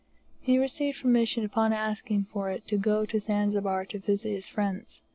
He received permission upon asking for it to go to Zanzibar to visit his friends.